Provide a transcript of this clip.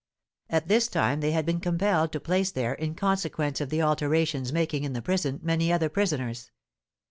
At this time they had been compelled to place there, in consequence of the alterations making in the prison, many other prisoners.